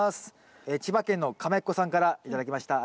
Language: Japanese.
千葉県のかめっこさんから頂きました。